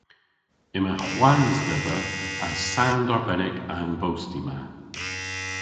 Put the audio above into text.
Yma hwans dhedha a sand arbennik a'n bosti ma.